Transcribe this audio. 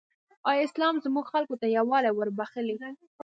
ایا اسلام زموږ خلکو ته یووالی وروباخښلی؟